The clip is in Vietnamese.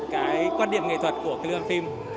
cái quan điểm nghệ thuật của cái lưu văn phim